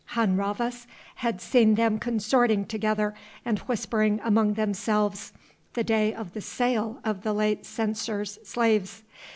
Hun Rhavas had seen them consorting together and whispering among themselves the day of the sale of the late censor's slaves.